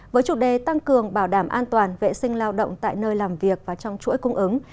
với chủ đề tăng cường bảo đảm an toàn vệ sinh lao động tại nơi làm việc và trong chuỗi cung ứng